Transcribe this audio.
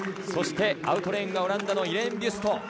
そして、アウトレーンがオランダのイレーン・ビュスト。